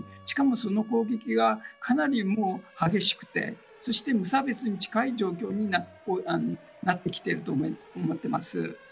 しかも、その攻撃がかなり激しくてそして無差別に近い状況になってきていると思っています。